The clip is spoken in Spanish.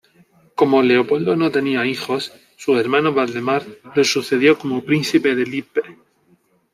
Como Leopoldo no tenía hijos, su hermano Valdemar lo sucedió como príncipe de Lippe.